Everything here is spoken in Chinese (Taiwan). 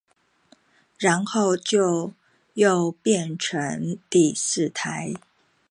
然後就又變成第四台